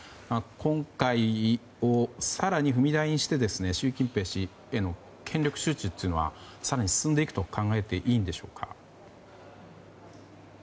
今回を更に踏み台にして習近平氏への権力集中は更に進んでいくと考えていいんでしょうか。